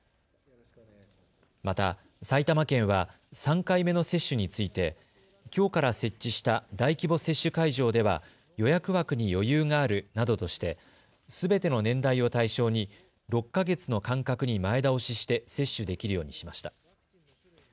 また埼玉県は３回目の接種についてきょうから設置した大規模接種会場では予約枠に余裕があるなどとしてすべての年代を対象に６か月の間隔に前倒しして接種できるようにしました。